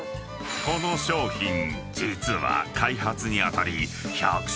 ［この商品実は］